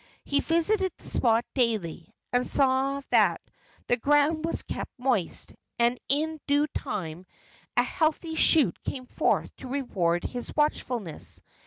He visited the spot daily and saw that the ground was kept moist, and in due time a healthy shoot came forth to reward his watchfulness.